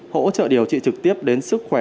hỗ trợ điều trị trực tiếp đến sức khỏe